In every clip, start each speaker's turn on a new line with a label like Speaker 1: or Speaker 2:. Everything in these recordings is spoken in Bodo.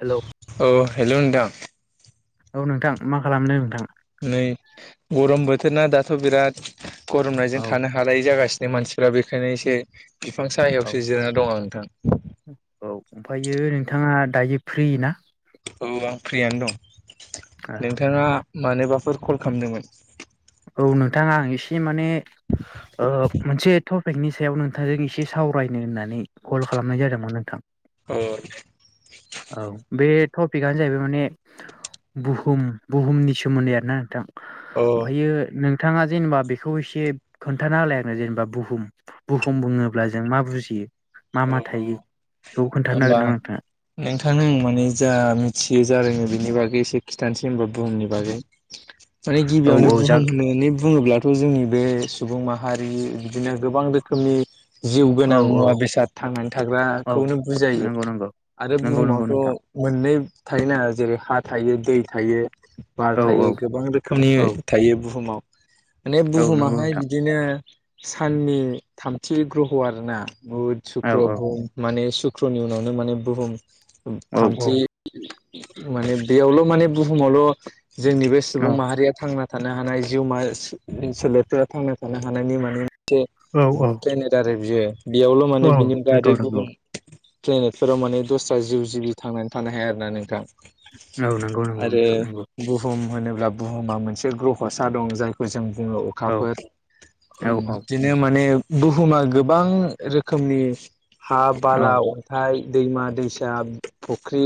Speaker 1: हेलौ
Speaker 2: औ हेल' नोंथां।
Speaker 1: औ नोंथां मा खालामदों नोंथां
Speaker 2: नै गरम बोथोरना दाथ' बिराद गरमनायजों
Speaker 1: औ
Speaker 2: थानो हालायै जागासिनो जों मानसिफ्रा बेखायनो एसे बिफां
Speaker 1: औ
Speaker 2: साहायावसो जिरायना दंं आं नोंथां
Speaker 1: औ ओमफ्रायो नोंथाङा दायो फ्रि ना
Speaker 2: औ आं फ्रियानो दं नोंथाङा मानोबाफोर कल खालामदोंमोन
Speaker 1: औ नोंथाङा आं एसे माने मोनसे टपिकनि सायाव नोंथांजों एसे सावरायनो होननानै कल खालामनाय जादोंमोन नोंथां।
Speaker 2: औ
Speaker 1: औ बे टपिकआनो जाहैबाय माने बुहुम बुहुमनि सोमोन्दै आरोना नोंथां
Speaker 2: अ
Speaker 1: ओमफायो नों नोंथाङा जेनेबा बेखौ एसे खोनथाना होलाय आंनो जेनेबा बुहुम बुहुम बुङोब्ला जों मा बुजियो? मा मा थायो? बेखौ खोन्थानो हागोन
Speaker 2: होमबा
Speaker 1: नामा नोंथाङा?
Speaker 2: नोंथांनो माने जा मिथियो ज जादोंङो बेनि बागै एसे खिथानोसै होनबा बुहुमनि बागै माने
Speaker 1: औ
Speaker 2: गिबियावनो
Speaker 1: औ जाग
Speaker 2: बुहुम होननानै बुहुम होनानै बुङोब्लाथ' जोंनि बे सुबुं माहारि बिदिनो गोबां रोखोमनि जिउ
Speaker 1: औ
Speaker 2: गोनां
Speaker 1: औ
Speaker 2: मुवा बेसाद थांनानै
Speaker 1: औ
Speaker 2: थाग्राखौनो बुजायो
Speaker 1: नंगौ नंगौ
Speaker 2: आरो
Speaker 1: नंगौ नंगौ
Speaker 2: बुहुमावथ'
Speaker 1: नोंथां।
Speaker 2: मोन नै थायो नाङा जेरै हा थायो दै थायो। बार
Speaker 1: औ
Speaker 2: थायो गोबां रोखोमनि
Speaker 1: औ
Speaker 2: थायो बुहुमाव। माने
Speaker 1: औ नंगौ
Speaker 2: बुहुमाहाय
Speaker 1: नोंथां
Speaker 2: बिदिनो साननि थामथि ग्रह' आरोना बहुद
Speaker 1: औ
Speaker 2: सुक्र
Speaker 1: औ
Speaker 2: बुहुम माने सुक्रनि उनावनो माने बुहुम
Speaker 1: औ
Speaker 2: थामथि माने बेयावल' माने बुहुमावल' जोंनि बे
Speaker 1: औ
Speaker 2: सुबुं माहारिया थांना थानो हानाय जिउमा सोलेरफोरा थांनो थानो हानायनि माने मोनसे
Speaker 1: औ औ
Speaker 2: पेनट आरो बियो बेयावल'
Speaker 1: औ
Speaker 2: माने बिनि
Speaker 1: नंगौ
Speaker 2: जाहाथे
Speaker 1: नंगौ
Speaker 2: गुबुन
Speaker 1: औ
Speaker 2: प्लेनेटफोराव माने दस्रा जिउ जिबि थांनानै थानो हाया आरोना नोंथां।
Speaker 1: नंगौ नंगौ
Speaker 2: आरो
Speaker 1: नोंथां नंगौ
Speaker 2: बुहुम होनोब्ला बुहुमा मोनसे ग्रहसा दं जायखौ जों ओ
Speaker 1: औ
Speaker 2: अखाफोर
Speaker 1: औ
Speaker 2: ओ
Speaker 1: औ
Speaker 2: बिदिनो माने बुहुमा गोबां रोखोमनि हा
Speaker 1: औ
Speaker 2: बाला अन्थाइ दैमा दैसा फु-फुख्रि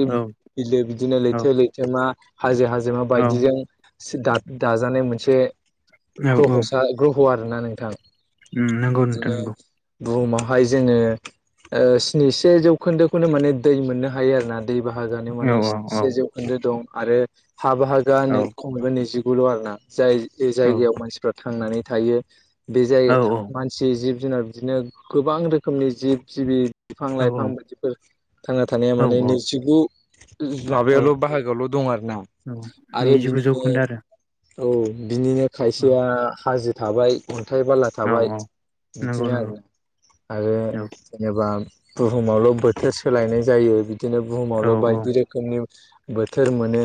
Speaker 2: बिलो बिदिनो
Speaker 1: औ
Speaker 2: लैथो लैथोमा हाजो हाजोमा
Speaker 1: औ
Speaker 2: बायदिजों दा-दाजानाय मोनसे ग्रह'सा ग्रह' आरोना नोंथां
Speaker 1: उम नंगौ नोंथा
Speaker 2: बिदिनो
Speaker 1: नंगौ।
Speaker 2: बुहुमावहाय जोङो ओ स्निसे जौखोन्दोखौनो माने दै मोननो हायो आरोना दै बाहागोयानो
Speaker 1: औ
Speaker 2: माने
Speaker 1: औ
Speaker 2: स्निसे जौखोन्दो दं आरो हा बाहागोया [unintelligible] गुल' आर ना जाय जायगायाव मानसिफ्रा थांनानै थायो बे जायगा था मानसि जिब जुनार बिदिनो गोबां रोखोमनि जिब जिबि बिफां
Speaker 1: औ
Speaker 2: लाइफां बायदिफोर थांना थानाया
Speaker 1: औ
Speaker 2: माने नैजिगु
Speaker 1: औ
Speaker 2: माबायावल' बाहागोआल' दं आरो ना आरो
Speaker 1: नैजिगु
Speaker 2: बिनिनो
Speaker 1: जौखोन्दो आरो
Speaker 2: औ बिनिनो खायसेया हाजो थाबाय अथाय बाला
Speaker 1: औ
Speaker 2: थाबाय
Speaker 1: औ नंगौ
Speaker 2: बिदिनो
Speaker 1: नंगौ
Speaker 2: आरोना। आरो
Speaker 1: औ
Speaker 2: जेनेबा बुहुमावल' बोथोर सोलायनाय जायो बिदिनो
Speaker 1: औ
Speaker 2: बुहुमावल'
Speaker 1: औ
Speaker 2: बायदि रोखोमनि बोथोर मोनो।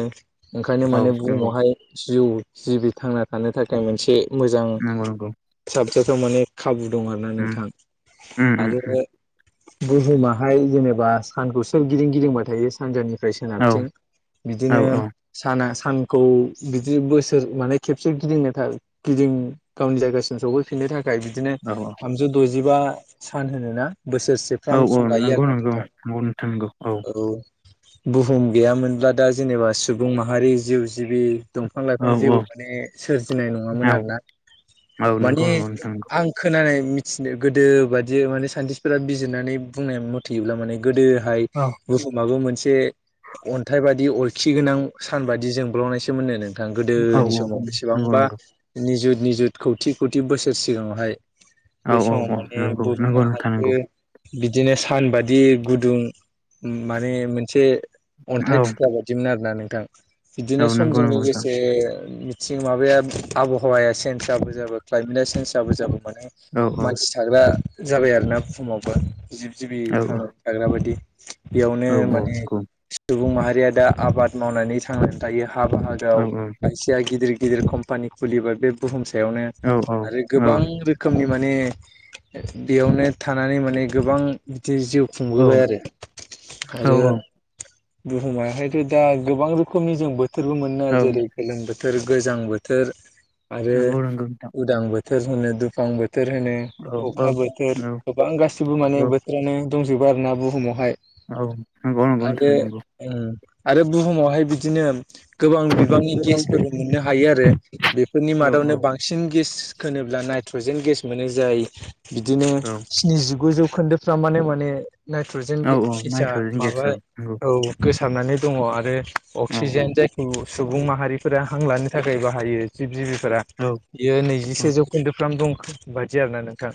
Speaker 2: ओंखायनो
Speaker 1: औ
Speaker 2: माने
Speaker 1: नंगौ
Speaker 2: बुहुमावहाय जिउ जिबि थांना थानो थाखाय मोनसे मोजां
Speaker 1: नंगौ नंगौ औ
Speaker 2: साबजाथाव माने खाबु दं आरोना नोंथां आरो बुहुमाहाय जेनेबा बा सानखौ सोरगिदिं गिदिंबाय थायो सानजानिनिफ्राय
Speaker 1: औ
Speaker 2: सोनाबथिं
Speaker 1: औ
Speaker 2: बिदिनो
Speaker 1: औ
Speaker 2: साना सानखौ बिदि बोसोर माने खेबसे गिदिंनो था गिदिं गावनि जायगासिम सफैफिननो थाखाय थाखाय बिदिनो
Speaker 1: औ
Speaker 2: थामजौ द'जिबा सान होनो ना
Speaker 1: औ
Speaker 2: बोसोरसेफ्राम सम लायो
Speaker 1: नंगौ
Speaker 2: आरोना
Speaker 1: नंगौ
Speaker 2: नोंथाङा।
Speaker 1: नोंथां नंगौ
Speaker 2: औ बुहुम गैयामोनब्ला दा जेनेबा सुबुं माहारि जिउ जिबि दंफां लाइफां
Speaker 1: औ औ
Speaker 2: जेबो माने सोरजिनाय
Speaker 1: औ
Speaker 2: नङामोन आरोना।
Speaker 1: नंगौ
Speaker 2: माने
Speaker 1: नंगौ नोंथां नंगौ
Speaker 2: आं खोनानाय मिथिनो गोदो बादि माने साइन्टिस्टफोरा बिजिरनानै बुंनाय मथेयोब्ला माने गोदोहाय
Speaker 1: औ
Speaker 2: बुहुमाबो मोनसे एसे अनथाइ बादि अरखि गोनां सान बादि जोंब्लावनायसोम मोनो नों
Speaker 1: औ
Speaker 2: गोदोनि समाव
Speaker 1: नंगौ
Speaker 2: बेसेबांबा
Speaker 1: नंगौ
Speaker 2: निजुत निजुत खौथि खौथि बोसोर सिगाङावहाय
Speaker 1: औ
Speaker 2: बे
Speaker 1: औ
Speaker 2: समाव
Speaker 1: औ
Speaker 2: माने
Speaker 1: नंगौ नंगौ नोंथां
Speaker 2: माहायबो
Speaker 1: नंगौ
Speaker 2: बिदिनो सानबादि गुदुं माने मोनसे
Speaker 1: औ
Speaker 2: अन्थाइ थुख्रा बायदिमोन आरो ना नोंथां
Speaker 1: औ
Speaker 2: बिदिनो
Speaker 1: नंगौ
Speaker 2: समजों
Speaker 1: नंगौ नोंथां
Speaker 2: लोगोसे [unintelligible] माबाया आबहावाया चेन्ज जाबो जाबो क्लाय माने चेन्ज जाबो जाबो माने
Speaker 1: औ औ
Speaker 2: मानसि थाग्रा जाबाय आरोना बुहुमावबो जिब जिबि
Speaker 1: औ
Speaker 2: थांनानै थाग्रा बायदि बेयावनो
Speaker 1: औ औ
Speaker 2: माने
Speaker 1: नंगौ
Speaker 2: सुबुं माहारिया दा आबाद मावनानै थांनानै थायो हा
Speaker 1: औ
Speaker 2: बाहागोआव खायसेया गिदिर गिदिर कम्पानि खुलिबाय बे बुहुम सायावनो
Speaker 1: औ
Speaker 2: आरो गोबां रोखोमनि माने बेयावनो थानानै माने गोबां बि जिउ खुंबोबाय आरो
Speaker 1: औ
Speaker 2: आरो बुहुमाहायथ' दा गोबां रोखोमनि जों बोथोरबो मोनो
Speaker 1: औ
Speaker 2: जेरै गोलोम बो थोर गोजां बोथोर आरो
Speaker 1: नंगौ नंगौ नोंथां
Speaker 2: उदां बोथोर होनो दुफां बोथोर होनो
Speaker 1: औ
Speaker 2: अखा बोथोर
Speaker 1: औ औ
Speaker 2: गोबां गासिबो माने बोथोरानो दंजोबो आरो ना बुहुमावहाय
Speaker 1: औ नंगौ नंगौ नोंथां
Speaker 2: आरो
Speaker 1: नंगौ
Speaker 2: उम आरो बुहुमावहाय बिदिनो गोबां बिबांनि
Speaker 1: औ
Speaker 2: गेसफोरबो मोननो हायो आरो बेफोरनि
Speaker 1: औ
Speaker 2: मादावनो बांसिन गेस होनोब्ला नाय ट्रजेन गेस मोनो जाय बिदिनो
Speaker 1: औ
Speaker 2: स्निजिगु जौ खोन्दोफ्रामानो माने नाइट्रजेन
Speaker 1: औ औ
Speaker 2: गेसा
Speaker 1: नाइट्रजेन गेस
Speaker 2: माबा
Speaker 1: औ नंगौ
Speaker 2: औ गोसार थाबनानै दङ आरो
Speaker 1: औ
Speaker 2: अक्सिजेन जायखौ सुबुं माहारिफोरा हां लानो थाखाय बाहायो जिब जिबि फोरा
Speaker 1: औ
Speaker 2: बियो
Speaker 1: औ
Speaker 2: नैजिसे जौखोन्दोफ्राम दं बादि आरोना नोंथां।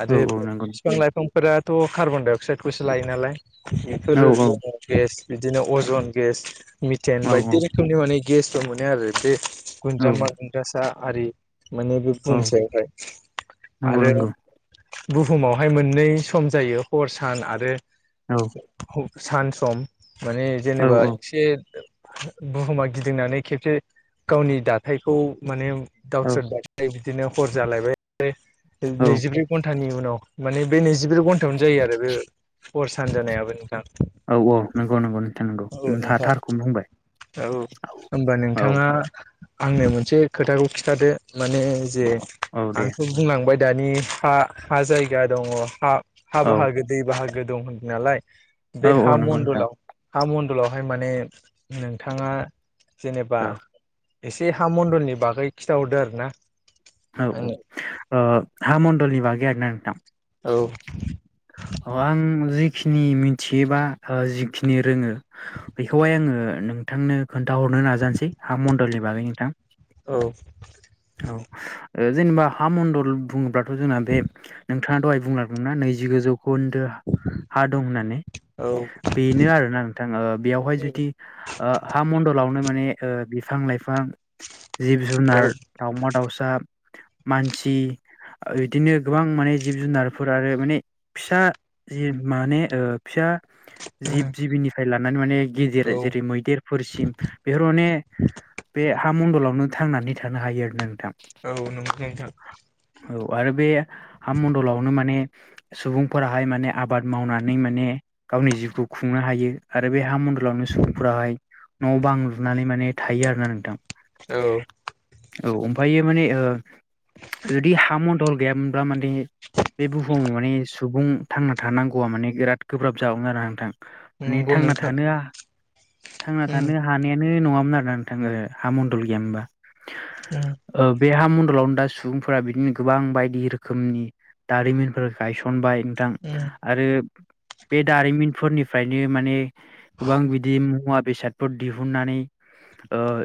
Speaker 2: आरो
Speaker 1: औ औ नंगौ औ
Speaker 2: फिफां लाइफांफोरा थ' कार्बनडाइ अक्साइदखौसो लायो नालाय बेफोर
Speaker 1: औ
Speaker 2: दङ गेस बिदिनो अजन गेस मिटेन
Speaker 1: औ औ
Speaker 2: बायदि रोखोमनि माने गेसबो मोनो आरो बे गुन्द्रामा गुन्द्रासा आरि माने बे बुहुम सायावहाय
Speaker 1: नंगौ
Speaker 2: आरो
Speaker 1: नंगौ।
Speaker 2: बुहुमावहाय मोननै सम जायो हर सान आरो
Speaker 1: औ
Speaker 2: सान सम माने जेनेबा
Speaker 1: औ
Speaker 2: एसे बुहुमा गिदिंनानै खेबसे गावनि दाथायखौ माने दावथ्रोन
Speaker 1: औ
Speaker 2: बाय [unintelligible] बिदिनो हर जालायबाय
Speaker 1: औ
Speaker 2: नैजिब्रै घन्टानि उनाव मानि बे नैजिब्रै घन्टायावनो जायो आरो बे हर सान जानायाबो नोंथां।
Speaker 1: औ औ नंगौ नंगौ नोंथां नंगौ
Speaker 2: औ
Speaker 1: नोंथाङा
Speaker 2: नोंथां
Speaker 1: थारखौनो होनबाय।
Speaker 2: औ होनबा नोंथाङा आंनो मोनसे खोथाखौ खिन्थादो माने जे
Speaker 1: औ दे
Speaker 2: आंथ' बुंलांबाय दानि हा हा जायगा दङ हा हा
Speaker 1: औ
Speaker 2: बाहागो दै बाहागो दं होनदों नालाय
Speaker 1: औ
Speaker 2: बे
Speaker 1: औ
Speaker 2: हा
Speaker 1: नंगौ नोंथां
Speaker 2: मणडलाव हा मण्डलावहाय माने नोंथाङा जेनेबा
Speaker 1: औ
Speaker 2: एसे हा मणडलनि बागै खिन्थाहरदो आरो ना।
Speaker 1: औ औ ओ
Speaker 2: आंनो
Speaker 1: हा मण्डलनि बागै आरोना नोंथां
Speaker 2: औ
Speaker 1: अ आं जि जिखिनि मिथियोबा ओ जिखिनि रोङो बेखौहाय आङो नोंथांनो खोन्थाहर नो नाजानोसै हाण्डलनि बागै नोंथां
Speaker 2: औ
Speaker 1: औ जेनेबा हा मण्डल बुङोब्लाथ' जोंना बे नोंथाङा दहाय बुंलादोंमोनना नैजिगुजौ गुनदो हा दं होननानै
Speaker 2: औ
Speaker 1: बेनो आरोना नोंथां ओ बेवहाय जुदि ओ हा मण्डलाव नो माने ओ बिफां लाइफां जिब
Speaker 2: औ
Speaker 1: जुनार दाउमा दाउसा मानसि इदिनो गोबां माने जिब जुनारफोर आरो माने फिसा जि ओ माने फिसा जिब जिबिनिफ्राय लानानै माने गिदिर
Speaker 2: औ
Speaker 1: जेरै मैदेरफोरसिम बेफोर माने बे हा मणडलावनो थांनानै थानो हायो आरो नोंथां
Speaker 2: औ नंगौ नोंथां
Speaker 1: औ आरो बे हा मणडलावनो माने सुबुंफोराहाय माने आबाद मावनानै माने गावनि जिउखौ खुंनो हायो आरो बे हा मन्दलावनो सुबुंफोराहाय न' बां लुनानै माने थायो आरो ना नोंथां
Speaker 2: औ
Speaker 1: औ ओमफ्रायो माने ओ जुदि हा मन्दल गैयामोनब्ला माने बे बुहुमाव माने सुबुं थांना थानांगौआ माने बिराद गोब्राब जागौ आरो नोंथां माने
Speaker 2: नंगौ
Speaker 1: थांना
Speaker 2: नोंथां
Speaker 1: थानो थांना
Speaker 2: उम
Speaker 1: थानो हानायानो नङामो ना आरोना नोंथां ओ हा मन्डल गैया मोनबा
Speaker 2: उम
Speaker 1: बे हा मन्डलावनो दा सुबुंफोरा बिदिनो गोबां बायदि रोखोमनि दारिमिनफोर गायसनबाय नोंथां
Speaker 2: उम
Speaker 1: आरो बे दारिमिनफोरनिफ्रायनो माने गोबां बिदि मुवा बेसादफोर दिहुनानैओ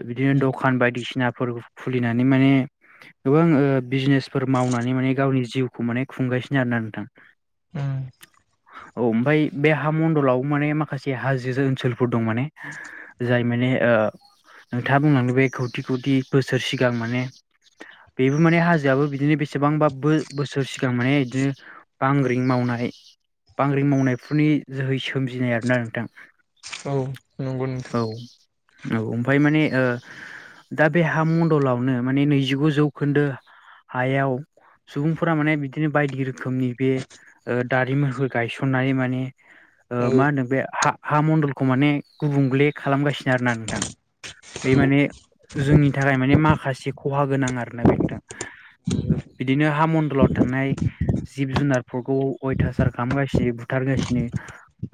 Speaker 1: बिदिनो
Speaker 2: उम
Speaker 1: द'खान बायदिसिना फोर खुलिनानै माने गोबां ओ बिजनेसफोर मावनानै माने गावनि जिउखौ माने खुंगासिनो आरोना नोंथां
Speaker 2: उम
Speaker 1: औ ओमफ्राय बे हा मणडलाव माने माखासे हाजो ओनसोलफोर दं माने जाय माने ओ नोंथाङा बुंलांदों बे खौथि खौथि बोसोर सिगां माने बेबो माने हाजोआबो बिदिनो बेसेबांबा बोसोर सिगां माने बिदिनो बांग्रिं माव नाय बांग्रि मावनायफोरनि जोहै सोमजिनाय आरोना नोंथां
Speaker 2: औ नंगौ नोंथां
Speaker 1: औ औ ओमफाय माने ओ दा बे हा मण्डलावनो माने नैजिगु जौखोन्दो हायाव सुबुंफोरा माने बिदिनो बायदि रोखोमनि बे ओ दारिमिनफोर गायसननानै माने ओ
Speaker 2: औ
Speaker 1: मा होनो बे हा हा मणडलखौ माने गुबुंल्ले खालामगासिनो आरोना नोंथां बे
Speaker 2: औ
Speaker 1: माने जोंनि थाखाय माने माखास से खहा गोनां आरोना बे नोंथां बिदिनो हा मणडलाव थांनाय जिब जुनारफोरखौ अयथासार खालामगासिनो बुथार [unintelligible]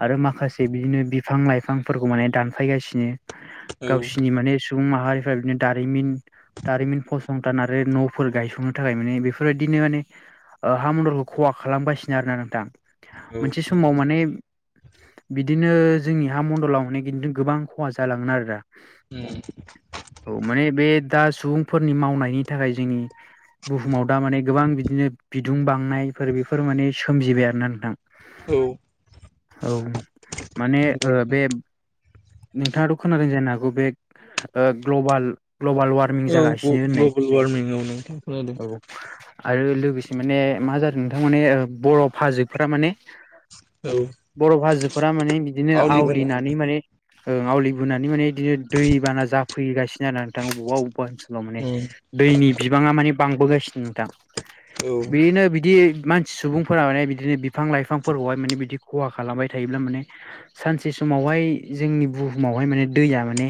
Speaker 1: आरो माखासे बिदिनो बिफां लाइफां फोरखौ माने दानफायगासिनो
Speaker 2: औ
Speaker 1: गावसिनि माने सुबुं माहारि फ्राय बिदिनो दारिमिन दारिमिन फसंथान आरो नफोर गायसंनो थाखाय माने बेफोरबायदिनो माने हा मन्दलखौ खहा खालामगासिनो आरोना नोंथां
Speaker 2: औ
Speaker 1: मोनसे
Speaker 2: नंगौ
Speaker 1: समाव
Speaker 2: उम
Speaker 1: माने बिदिनो जोंनि हा मण्डलाव [unintelligible] गोबां खहा जालांगोन आरो दा औ माने बे दा सुबुंफोरनि मावनायनि थाखाय जोंनि बुहुमाव दा माने गोबां बिदिनो बिदुं बांनायफोर बेफोर माने सोमजिबाय आरो ना नोंथां
Speaker 2: औ
Speaker 1: औ माने ओ
Speaker 2: नंगौ नोंथां
Speaker 1: बे नोंथाङाथ खोनादों जानो हागौ बे ग्लबाल ग्लबाल वार्मिं
Speaker 2: औ
Speaker 1: जागासिनो होननाय
Speaker 2: ग्लबेल वार्मिं औ नोंथां खोनादों
Speaker 1: औ आरो लोगोसे से माने मा जादों नोंथां माने बर' फाजैफोरा माने
Speaker 2: औ
Speaker 1: बरफ हाजोफोरा माने बिदिनो
Speaker 2: आवलिबोनो
Speaker 1: आवलिनानै
Speaker 2: हमदों
Speaker 1: माने ओ आवलिबोनानै माने बिदिनो दैबाना जाफैगासिनो आरो नोंथाङा बबेबा बबेबा ओनसोलाव माने
Speaker 2: उम
Speaker 1: दैनि बिबाङा माने। बांबोगासिनो नोंथां
Speaker 2: औ
Speaker 1: बिदिनो बिदि। मानसि सुबुंफोरा माने बिदिनो बिफां लाइफांफोरखौहाय माने बिदि खहा खालामबाय थायोब्ला माने सानसे समावहाय जोंनि बुहुमावहाय माने दैया माने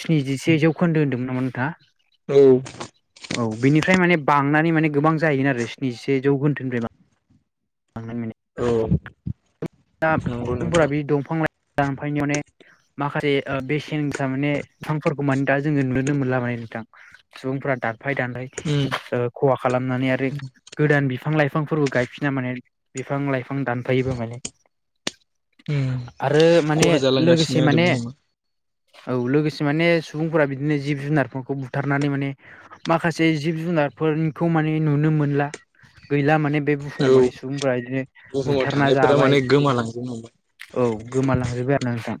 Speaker 1: स्निजिसे जौखोन्दो होनदोंमोन।
Speaker 2: औ
Speaker 1: औ बिनिफ्राय माने बां थांनानै माने गोबां जाहैगोन आरो स्निसे जौखोनदोनिफ्राय मा।
Speaker 2: औ।
Speaker 1: दा
Speaker 2: नंगौ
Speaker 1: सुबुंफोरा
Speaker 2: नोंथां
Speaker 1: बे दंफां ला दानफांनियाव माखासे ज बेसेन गोसा माने बिफांफोरखौ माने दा जोङो नुनो मोनला माने नोंथां सुबुंफोरा दा। दानफाय दानफाय
Speaker 2: उम
Speaker 1: खहा खालामनानै आरो गोदान बिफां लाइ बिफांफोरबो गायफिना माने बिफां लाइफां दानफायोबो माने
Speaker 2: उम
Speaker 1: आरो माने
Speaker 2: खहा जालांगासिनो
Speaker 1: लोगोसे
Speaker 2: आरो
Speaker 1: माने
Speaker 2: बुहुमा
Speaker 1: औ लोगोसे माने सुबुंफोरा बिदिनो जिब जुनारफोरखौ बुथारनानै माने माखासे जिब ज जुनारनिखौ माने नुनो मोनला गैला माने बे बुहुमाव
Speaker 2: औ
Speaker 1: माने सुबुंफोरा बिदिनो
Speaker 2: बुहुमाव
Speaker 1: बुथारना
Speaker 2: थानायफोरा
Speaker 1: जाबाय।
Speaker 2: माने गोमालांजोबनो हमबाय
Speaker 1: औ गोमालांजोबबाय आरो ना नोंथां।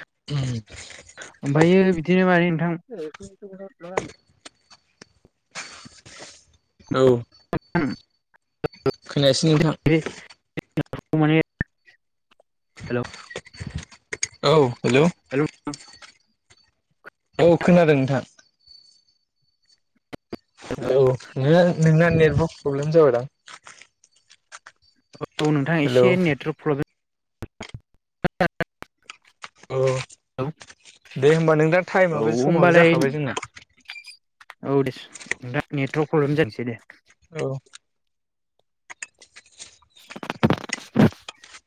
Speaker 2: औ।
Speaker 1: ओमफ्रायो बिदिनो माने नोंथां।
Speaker 2: औ।
Speaker 1: [inaudible]
Speaker 2: खोनायासै नोंथां।
Speaker 1: मान हेल'
Speaker 2: औ हेल'। औ खोनादों नोंथां। हेलौ नोंना नेटवर्क प्रब्लेम जाबाय दां।
Speaker 1: औ नोंथां एसे नेटवारक प्रब्लेम
Speaker 2: औ।
Speaker 1: औ
Speaker 2: दे होमबा नों दा
Speaker 1: औ
Speaker 2: टाइमाबो समाबो
Speaker 1: होमबालाय
Speaker 2: जाखाबाय जोंना
Speaker 1: औ दे नेटवर्क प्रब्लेम जानोसै दे
Speaker 2: औ।
Speaker 1: [inaudible]